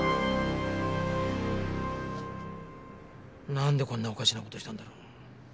なんでこんなおかしな事したんだろう？